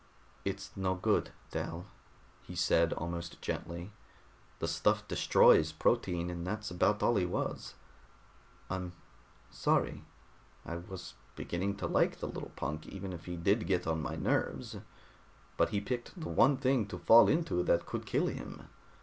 "It's no good, Dal," he said, almost gently. "The stuff destroys protein, and that's about all he was. I'm sorry I was beginning to like the little punk, even if he did get on my nerves. But he picked the one thing to fall into that could kill him.